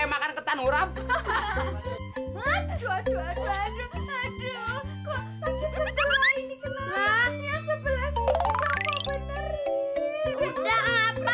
bujuk deh kali sekali orang cakep dan berani